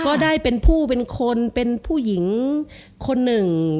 ก็ได้เป็นผู้เป็นคนเป็นผู้หญิงคนหนึ่ง